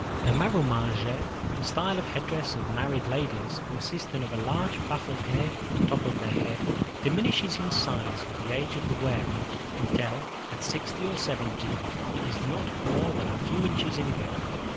The marumagé, the style of headdress of married ladies, consisting of a large puff of hair on the top of the head, diminishes in size with the age of the wearer until, at sixty or seventy, it is not more than a few inches in width.